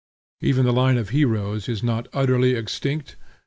Even the line of heroes is not utterly extinct.